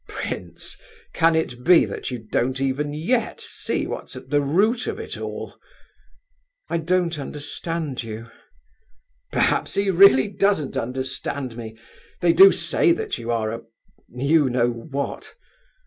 Prince, can it be that you don't even yet see what's at the root of it all?" "I don't understand you." "Perhaps he really doesn't understand me! They do say that you are a—you know what!